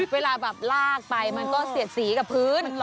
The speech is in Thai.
เวลาแบบลากไปมันก็เสียดสีกับพื้น